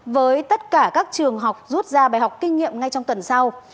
với tất cả các trường học rút ra bài học kinh nghiệm ngay trong tuần sau